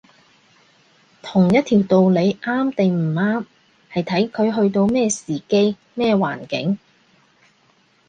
同一條道理啱定唔啱，係睇佢去到咩時機，咩環境